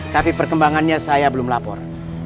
tapi perkembangannya saya belum lapor